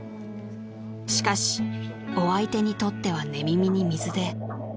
［しかしお相手にとっては寝耳に水で］